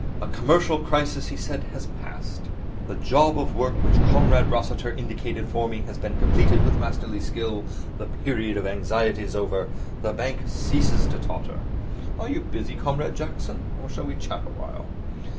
'A commercial crisis,' he said, 'has passed. The job of work which Comrade Rossiter indicated for me has been completed with masterly skill. The period of anxiety is over. The bank ceases to totter. Are you busy, Comrade Jackson, or shall we chat awhile?'